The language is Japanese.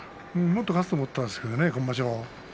もっと勝つと思ったんですけれどね、今場所。